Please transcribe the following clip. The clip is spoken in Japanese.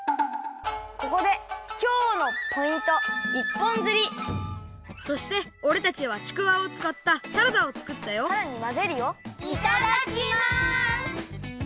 ここでそしておれたちはちくわをつかったサラダをつくったよいただきます！